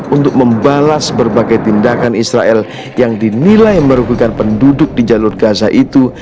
untuk membalas berbagai tindakan israel yang dinilai merugikan penduduk di jalur gaza itu